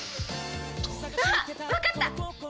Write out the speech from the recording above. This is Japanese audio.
あっわかった！